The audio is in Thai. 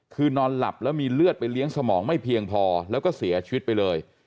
คือนอนหลับแล้วมีเลือดไปเลี้ยงสมองไม่เพียงพอแล้วก็เสียชีวิตไปเลย